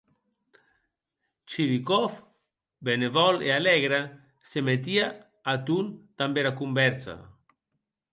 Chirikov, benevòl e alègre, se metie a ton damb era convèrsa.